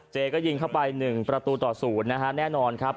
เจก็ยิงเข้าไป๑ประตูต่อ๐นะฮะแน่นอนครับ